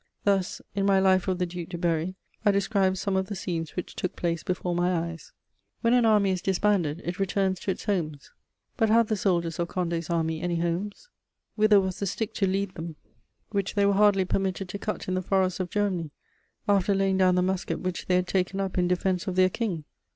Thus, in my life of the Duc de Berry, I described some of the scenes which took place before my eyes: "When an army is disbanded, it returns to its homes; but had the soldiers of Condé's Army any homes? Whither was the stick to lead them which they were hardly permitted to cut in the forests of Germany, after laying down the musket which they had taken up in defense of their King?...